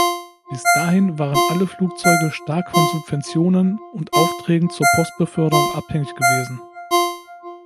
Bis dahin waren alle Flugzeuge stark von Subventionen und Aufträgen zur Postbeförderung abhängig gewesen.